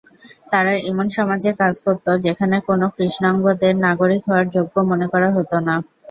তারা এমন সমাজে কাজ করতো, যেখানে কোনো কৃষ্ণাঙ্গদের নাগরিক হওয়ার যোগ্য মনে করা হতো না।